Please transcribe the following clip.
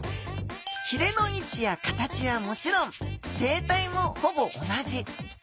ひれの位置や形はもちろん生態もほぼ同じ。